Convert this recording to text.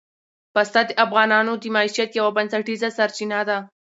پسه د افغانانو د معیشت یوه بنسټیزه سرچینه ده.